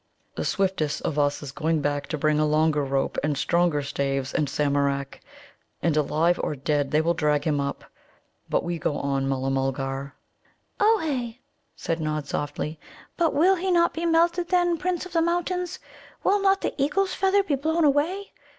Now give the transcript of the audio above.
"The swiftest of us is going back to bring a longer 'rope' and stronger staves and Samarak, and, alive or dead, they will drag him up. But we go on, Mulla mulgar." "Ohé," said Nod softly; "but will he not be melted by then, Prince of the Mountains? Will not the eagle's feather be blown away?